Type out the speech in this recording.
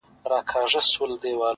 د اسويلويو خوراكونه كړي.!